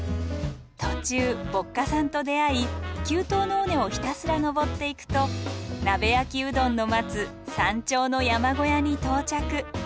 途中歩荷さんと出会い急登の尾根をひたすら登っていくと鍋焼きうどんの待つ山頂の山小屋に到着。